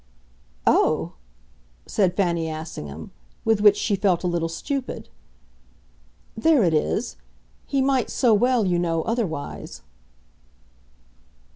"Oh!" said Fanny Assingham: with which she felt a little stupid. "There it is. He might so well, you know, otherwise."